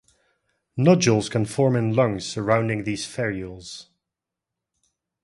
Nodules can form in lungs surrounding these spherules.